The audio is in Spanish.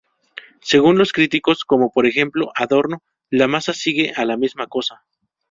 Según los críticos, como por ejemplo, Adorno, la masa sigue a la misma cosa.